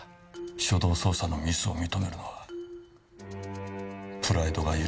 初動捜査のミスを認めるのはプライドが許さなかったんだ。